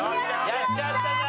やっちゃったな。